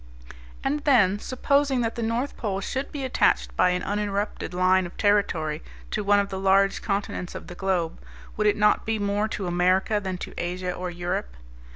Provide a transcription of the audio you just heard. And then supposing that the North Pole should be attached by an uninterrupted line of territory to one of the large continents of the globe, would it not be more to America than to Asia or Europe?